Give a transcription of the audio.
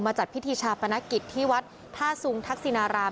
จัดพิธีชาปนกิจที่วัดท่าสุงทักษินาราม